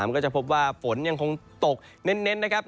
ก็จะพบว่าฝนยังคงตกเน้นนะครับ